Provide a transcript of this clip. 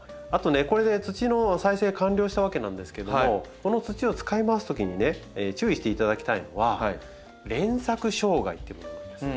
これで土の再生完了したわけなんですけどもこの土を使い回すときにね注意していただきたいのは「連作障害」というものなんです。